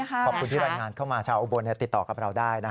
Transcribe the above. ขอบคุณที่รายงานเข้ามาชาวอุบลติดต่อกับเราได้